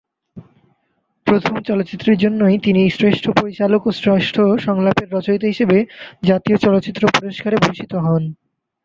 প্রথম চলচ্চিত্রের জন্যই তিনি শ্রেষ্ঠ পরিচালক ও শ্রেষ্ঠ সংলাপ রচয়িতা হিসেবে জাতীয় চলচ্চিত্র পুরস্কারে ভূষিত হন।